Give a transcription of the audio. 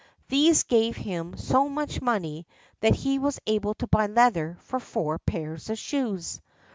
These gave him so much money that he was able to buy leather for four pairs of shoes.